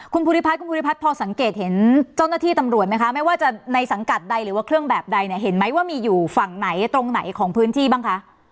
คุณภูริพัฒนคุณภูริพัฒน์พอสังเกตเห็นเจ้าหน้าที่ตำรวจไหมคะไม่ว่าจะในสังกัดใดหรือว่าเครื่องแบบใดเนี่ยเห็นไหมว่ามีอยู่ฝั่งไหนตรงไหนของพื้นที่บ้างคะ